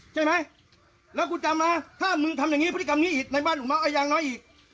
ใช่ไหมแล้วกูจำนะถ้ามึงทำอย่างงี้พฤติกรรมงี้อีกในบ้านอุ๋มเมาส์